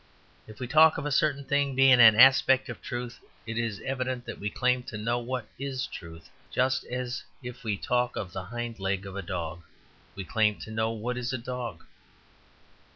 If we talk of a certain thing being an aspect of truth, it is evident that we claim to know what is truth; just as, if we talk of the hind leg of a dog, we claim to know what is a dog.